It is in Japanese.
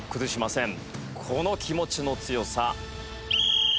この気持ちの強さ。